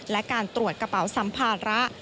และการตรวจกระเป๋าสัมภาระ